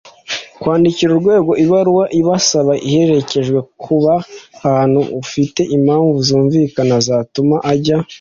kwandikira urwego ibaruwa ibisaba iherekejwe kuba ahantu ufite impamvu zumvikana zatuma ajya